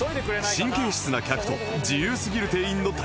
神経質な客と自由すぎる店員の対決